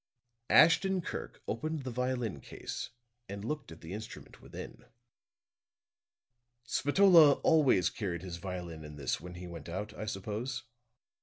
Ashton Kirk opened the violin case and looked at the instrument within. "Spatola always carried his violin in this when he went out, I suppose?"